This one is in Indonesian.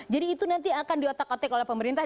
jadi itu nanti akan di otak atik oleh pemerintah